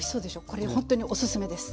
これほんっとにおすすめです。